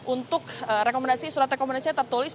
untuk rekomendasi surat rekomendasi tertulis